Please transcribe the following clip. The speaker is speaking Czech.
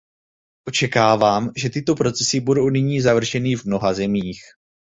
Očekávám, že tyto procesy budou nyní završeny v mnoha zemích.